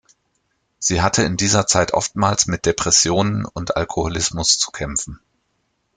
Sie hatte in dieser Zeit oftmals mit Depressionen und Alkoholismus zu kämpfen.